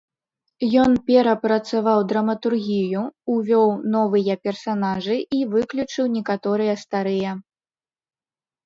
Ён перапрацаваў драматургію, увёў новыя персанажы і выключыў некаторыя старыя.